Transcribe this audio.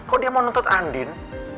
kok dia mau nuntut andin